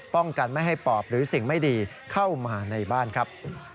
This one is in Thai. ป้องกันไม่ให้ปอบหรือสิ่งไม่ดีเข้ามาในบ้านครับ